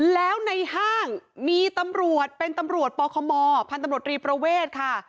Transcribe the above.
แล้วในห้างมีตำรวจเป็นตำรวจปคมพันธุ์ตำรวจรีประเวทค่ะ